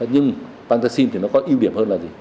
nhưng pantaxin thì nó có ưu điểm hơn là gì